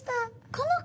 この子？